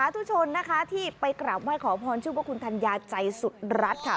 ทุกคนนะคะที่ไปกราบว่าขอพรชุมพระคุณธัญญาใจสุดรัดค่ะ